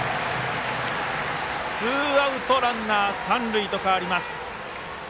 ツーアウトランナー、三塁と変わります。